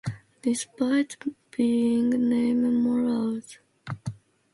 Despite being named molars, the deciduous molars are followed by permanent premolars.